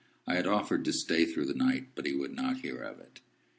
I had offered to stay through the night, but he would not hear of it.